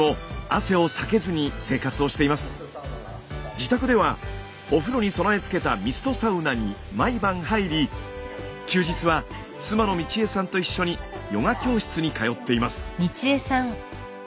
自宅ではお風呂に備え付けたミストサウナに毎晩入り休日は妻の道恵さんと一緒にヨガ教室に通っています。